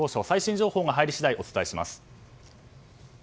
最新情報が入り次第お伝えします。